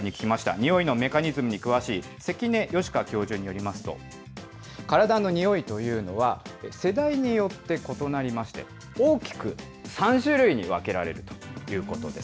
においのメカニズムに詳しい関根嘉香教授によりますと、体のにおいというのは、世代によって異なりまして、大きく３種類に分けられるということです。